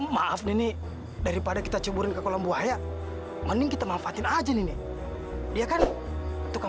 maaf nini daripada kita ciburin ke kolam buaya mending kita manfaatin aja nini dia kan tukang